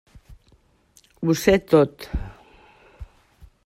Ho sé tot.